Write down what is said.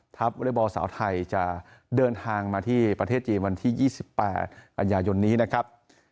ทัพวลบสาวไทยจะเดินทางมาที่ประเทศจีนวันที่๒๘ปัญญาณยนต์นี้นะครับ